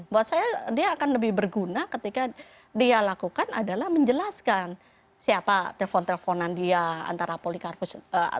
buat saya dia akan lebih berguna ketika dia lakukan adalah menjelaskan siapa telepon teleponan dia antara polikarpus